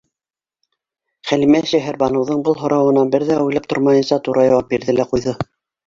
Хәлимә Шәһәрбаныуҙың был һорауына бер ҙә уйлап тормайынса тура яуап бирҙе лә ҡуйҙы.